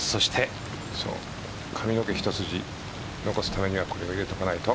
髪の毛一筋残すためにはこれを入れておかないと。